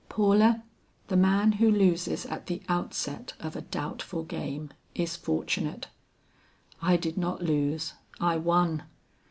"Paula, the man who loses at the outset of a doubtful game, is fortunate. I did not lose, I won.